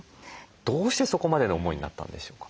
どうしてそこまでの思いになったんでしょうか？